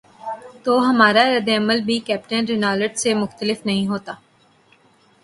تو ہمارا رد عمل بھی کیپٹن رینالٹ سے مختلف نہیں ہوتا۔